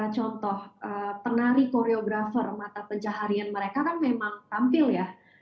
contoh penari koreografer mata pencaharian mereka kan memang tampil ya